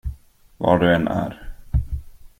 Var du än är.